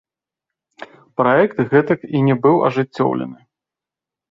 Праект гэтак і не быў ажыццёўлены.